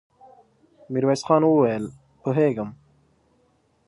ميرويس خان وويل: پوهېږم.